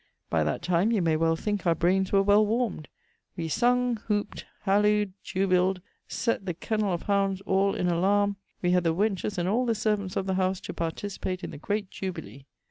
By that time you may well thinke our braines were well warmd. We sung, hooped, hallowd, jubilled set the cennell of hounds all in a larum. We had the wenches and all the servants of the house to participate in the great jubilee.